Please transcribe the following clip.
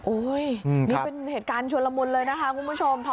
นี่เป็นเหตุการณ์ชวนละมุนเลยนะคะคุณผู้ชม